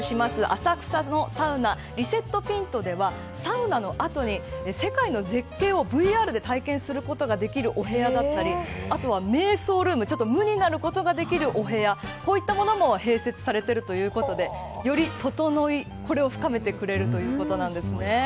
浅草のサウナリセット・ピントではサウナの後に世界の絶景をＶＲで体験することができるお部屋やあとは、瞑想ルーム無になることができるお部屋こういったものも併設されているということでより、ととのいを深めてくれるということです。